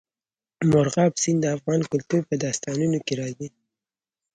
مورغاب سیند د افغان کلتور په داستانونو کې راځي.